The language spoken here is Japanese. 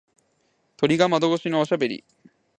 鳥が窓越しにおしゃべり。